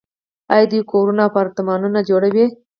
آیا دوی کورونه او اپارتمانونه نه جوړوي؟